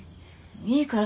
いいから。